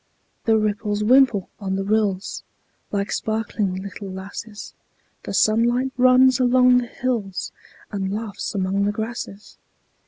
The ripples wimple on the rills, Like sparkling little lasses; The sunlight runs along the hills, And laughs among the grasses.